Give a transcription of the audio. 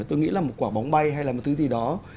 tôi nghĩ là một quả bóng bay hay là một thứ gì đó